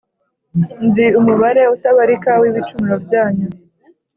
nzi umubare utabarika w’ibicumuro byanyu,